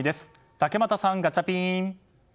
竹俣さん、ガチャピン。